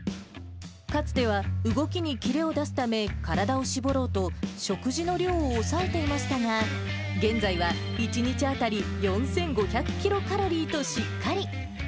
かつては動きに切れを出すため、体を絞ろうと、食事の量を抑えていましたが、現在は１日当たり４５００キロカロリーとしっかり。